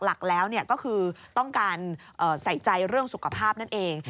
หลักแล้วก็คือต้องการใส่ใจเรื่องสุขภาพนั่นเอง